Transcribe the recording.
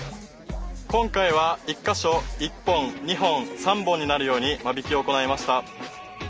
今回は１か所１本２本３本になるように間引きを行いました。